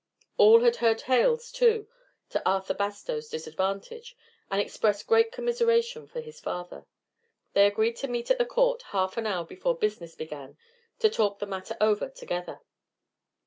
All had heard tales, too, to Arthur Bastow's disadvantage, and expressed great commiseration for his father. They agreed to meet at the court half an hour before business began, to talk the matter over together.